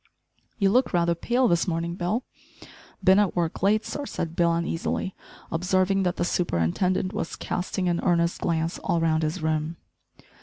"You look rather pale this morning, Bill?" "Bin at work late, sir," said Bill uneasily, observing that the superintendent was casting an earnest glance all round his room.